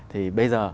thì bây giờ